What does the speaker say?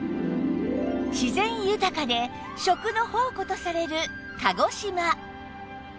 自然豊かで食の宝庫とされる鹿児島